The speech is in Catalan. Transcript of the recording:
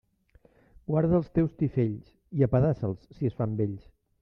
Guarda els teus tifells, i apedaça'ls si es fan vells.